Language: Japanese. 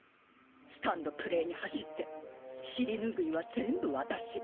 スタンドプレーに走って尻拭いは全部私。